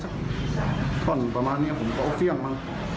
ซึ่งตอนแประมาทที่นี่ผมก็เอาเสียงมัน